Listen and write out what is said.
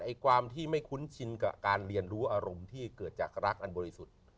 ความที่ไม่คุ้นชินกับการเรียนรู้อารมณ์ที่เกิดจากรักอันบริสุทธิ์